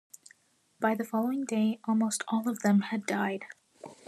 By the following day, almost all of them had died.